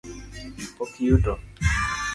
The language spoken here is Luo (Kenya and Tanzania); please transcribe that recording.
Pok iyuto?